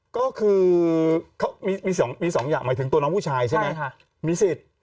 ก็คือเขามี๒อย่างหมายถึงตัวน้องผู้ชายใช่ไหมมีสิทธิ์